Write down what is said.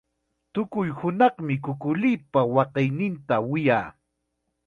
Tukuy hunaqmi kukulipa waqayninta wiyaa.